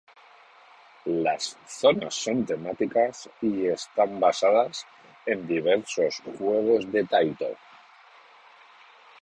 Las zonas son temáticas y están basadas en diversos juegos de Taito.